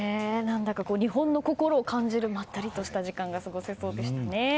日本の心を感じるまったりとした時間が過ごせそうですね。